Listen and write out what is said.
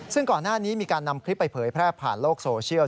ซึ่งก่อนหน้านี้มีการนำคลิปไปเผยแพร่ผ่านโลกโซเชียล